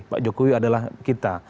pak jokowi adalah kita